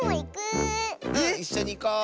⁉いっしょにいこう。